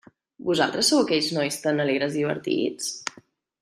Vosaltres sou aquells nois tan alegres i divertits?